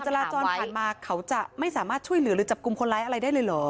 จราจรผ่านมาเขาจะไม่สามารถช่วยเหลือหรือจับกลุ่มคนร้ายอะไรได้เลยเหรอ